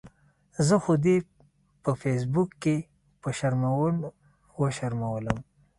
زه خو دې په فیسبوک کې په شرمونو وشرمؤلم